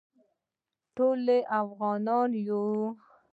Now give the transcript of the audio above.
ټول افغانان یو